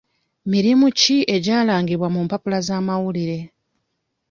Mirimu ki egyalangibwa mu mpapula z'amawulire?